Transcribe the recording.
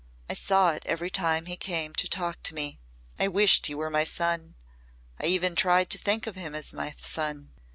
I saw it every time he came to talk to me. I wished he were my son. I even tried to think of him as my son."